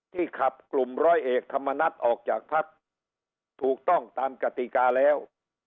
ขับกลุ่มร้อยเอกธรรมนัฏออกจากพักถูกต้องตามกติกาแล้ว